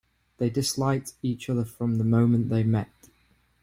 They disliked each other from the moment they met.